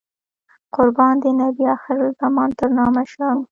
قربان د نبي اخر الزمان تر نامه شم.